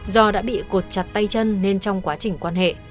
do đã bị cột chặt tay chân nên trong quá trình quan hệ